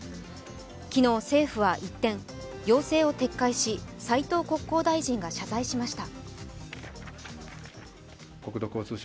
昨日、政府は一転、要請を撤回し、斉藤国交大臣が謝罪しました。